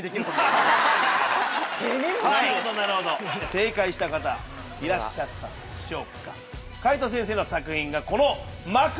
正解した方いらっしゃったんでしょうか？